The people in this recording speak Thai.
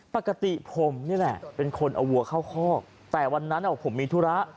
ปกติผมนี่แหละเป็นคนเอาวัวเข้าคอกแต่วันนั้นผมมีธุระ